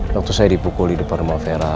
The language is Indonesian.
waktu saya dipukul di depan rumah fera